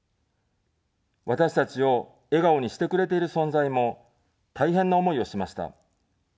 私たちを笑顔にしてくれている存在も大変な思いをしました。